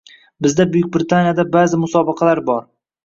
Bizda Buyuk Britaniyada baʼzi musobaqalar bor